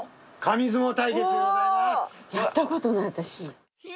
やったことない私。